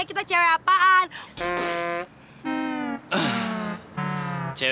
aku misalnya don't like lu